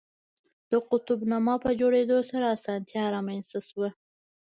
د قطب نما په جوړېدو سره اسانتیا رامنځته شوه.